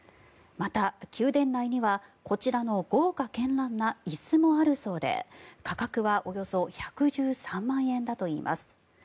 また、宮殿内にはこちらの豪華絢爛な椅子もあるそうで価格はおよそ１１３万円だといいます。